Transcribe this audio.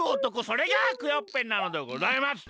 それがクヨッペンなのでございます。